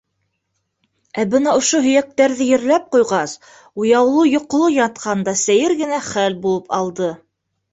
Ә бына ошо һөйәктәрҙе ерләп ҡуйғас, уяулы-йоҡоло ятҡанында сәйер генә хәл булып алды.